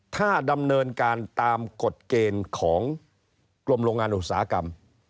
ถ้าดำเนินการตามกฎเกณฑ์ของกรมโรงงานอุตสาหกรรม